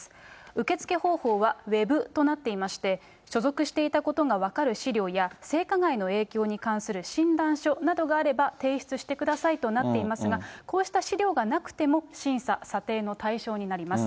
受け付け方法はウェブとなっていまして、所属していたことが分かる資料や、性加害の影響に関する診断書などがあれば、提出してくださいとなっていますが、こうした資料がなくても審査、査定の対象になります。